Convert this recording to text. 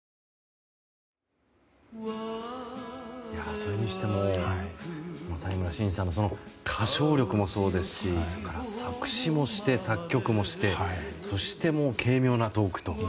それにしても谷村新司さんの歌唱力もそうですしそれから作詞もして作曲もしてそして、軽妙なトークと。